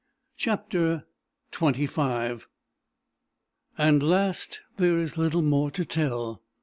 CHAPTER XXV AND LAST There is little more to tell.